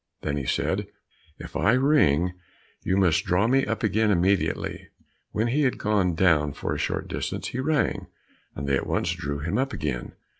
Then he said, "If I ring, you must draw me up again immediately." When he had gone down for a short distance, he rang, and they at once drew him up again.